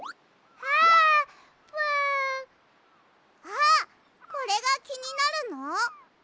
あっこれがきになるの？